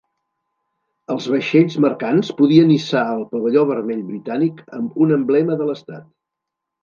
Els vaixells mercants podien hissar el pavelló vermell britànic amb un emblema de l'estat.